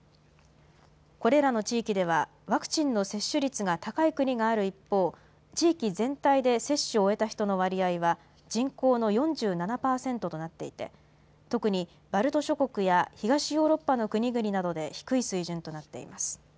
これらの地域では、ワクチンの接種率が高い国がある一方、地域全体で接種を終えた人の割合は人口の４７％となっていて、特にバルト諸国や東ヨーロッパの国々などで低い水準となっています。